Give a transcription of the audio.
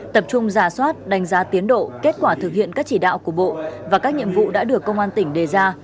tập trung giả soát đánh giá tiến độ kết quả thực hiện các chỉ đạo của bộ và các nhiệm vụ đã được công an tỉnh đề ra